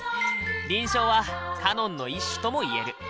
輪唱はカノンの一種とも言える。